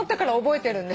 覚えてるわ。